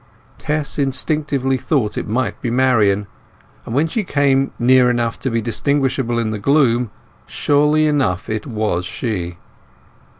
Tess instinctively thought it might be Marian, and when she came near enough to be distinguishable in the gloom, surely enough it was she.